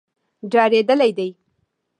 ډارېدلي دي.